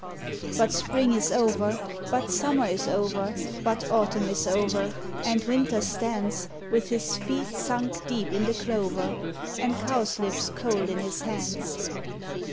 But spring is over, but summer is over, But autumn is over, and winter stands With his feet sunk deep in the clover And cowslips cold in his hands.